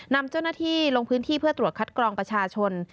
นำเจ้าหน้าที่ลงพื้นที่เพื่อตรวจคัดกรองประชาชน